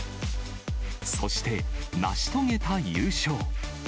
そして、成し遂げた優勝。